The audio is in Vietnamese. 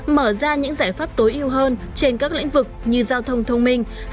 mở ra những giải pháp tối ưu hơn trên các lĩnh vực như giao thông thông minh